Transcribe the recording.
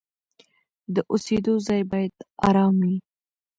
د اوسېدو ځای باید آرام وي.